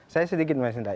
saya sedikit mau nasihat